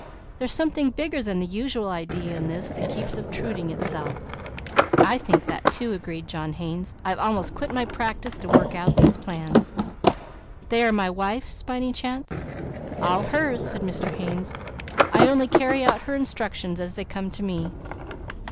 There's something bigger than the usual idea in this that keeps obtruding itself." "I think that too," agreed John Haynes. "I've almost quit my practice to work out these plans." "They are my wife's, by any chance?" "All hers," said Mr. Haynes. "I only carry out her instructions as they come to me."